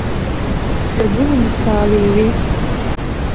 Сҩагыланы саалеиҩеип.